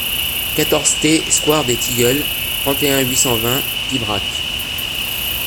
quatorze T sQUARE DES TILLEULS, trente et un, huit cent vingt, Pibrac